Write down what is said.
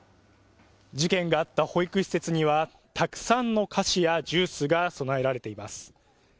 事件があった保育施設には、たくさんの菓子やジュースが供えられています。